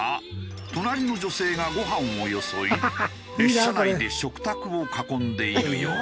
隣の女性がご飯をよそい列車内で食卓を囲んでいるようだ。